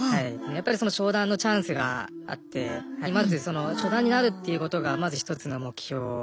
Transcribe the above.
やっぱり昇段のチャンスがあってまず初段になるっていうことがまず一つの目標。